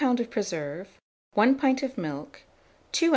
of preserve, 1 pint of milk, 2 oz.